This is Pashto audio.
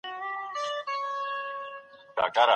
ولي ښه ژوند یوازي د شتمنۍ په درلودلو نه اندازه کېږي؟